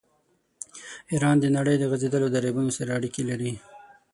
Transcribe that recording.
ایران د نړۍ د غځېدلو دریابونو سره اړیکې لري.